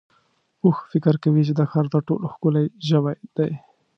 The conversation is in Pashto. اوښ فکر کوي چې د ښار تر ټولو ښکلی ژوی دی.